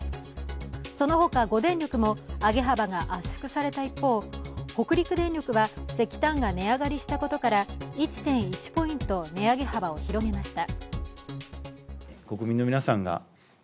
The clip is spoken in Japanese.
そのほか５電力も上げ幅が圧縮された一方、北陸電力は石炭が値上がりしたことから１．１ポイント値上げ幅を広げました。